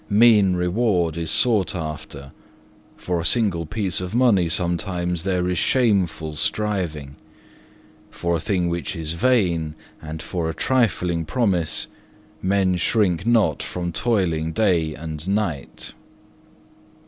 Mean reward is sought after; for a single piece of money sometimes there is shameful striving; for a thing which is vain and for a trifling promise, men shrink not from toiling day and night."